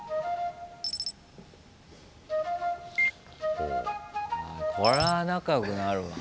これは仲良くなるわな。